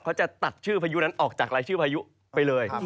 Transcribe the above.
จะตัดชื่อพายุนั้นออกจากรายชื่อพายุไปเลย